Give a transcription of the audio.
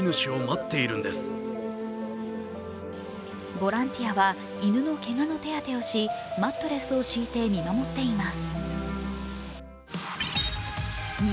ボランティアは犬のけがの手当をし、マットレスを敷いて見守っています。